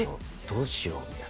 「どうしよう」って「